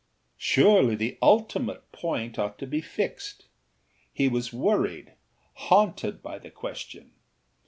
Surely the ultimate point ought to be fixedâhe was worried, haunted by the question.